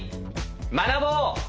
学ぼう！